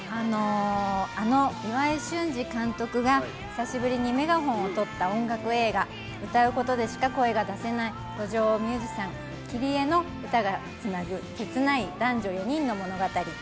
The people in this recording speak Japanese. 岩井俊二監督が久しぶりにメガホンをとった音楽映画歌うことでしか声が出せない路上ミュージシャンキリエの歌が繋ぐ切ない男女４人の物語。